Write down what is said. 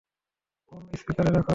Phone স্পিকারে রাখো।